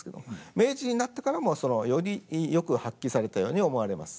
明治になってからもよりよく発揮されたように思われます。